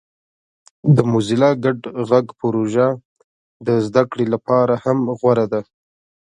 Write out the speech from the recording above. د موزیلا ګډ غږ پروژه د زده کړې لپاره هم غوره ده.